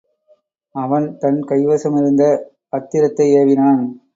அவன் தன் கைவசமிருந்த அத்திரத்தை ஏவினான்.